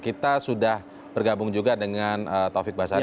kita sudah bergabung juga dengan taufik basari